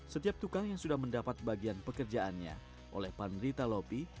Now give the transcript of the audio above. setiap tukang yang sudah mendapat bagian pekerjaannya oleh panderita lopi